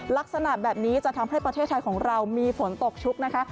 ลักษณะแบบนี้จะทำให้ประเทศไทยของเรามีฝนตกชุกนะคะ